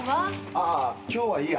ああ今日はいいや。